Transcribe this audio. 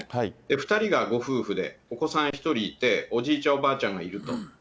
２人がご夫婦でお子さん１人いて、おじいちゃん、おばあちゃんがいると。